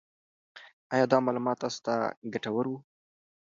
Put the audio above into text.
آیا دا معلومات تاسو ته ګټور وو؟